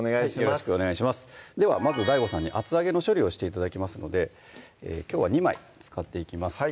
よろしくお願いしますではまずＤＡＩＧＯさんに厚揚げの処理をして頂きますのできょうは２枚使っていきます